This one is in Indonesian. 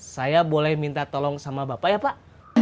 saya boleh minta tolong sama bapak ya pak